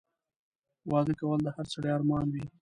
واده کول د هر سړي ارمان وي